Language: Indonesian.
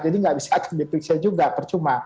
jadi tidak bisa dipiksa juga percuma